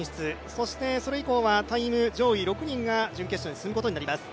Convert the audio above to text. そしてそれ以降はタイム上位６人が準決勝に進むことになります。